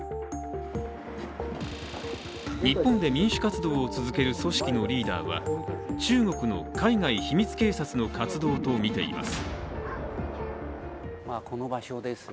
日本で民主活動を続ける組織のリーダーは中国の海外秘密警察の活動とみています。